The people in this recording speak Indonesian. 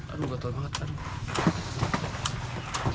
aduh gatel banget aduh